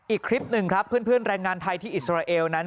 อีกคลิปหนึ่งครับเพื่อนแรงงานไทยที่อิสราเอลนั้น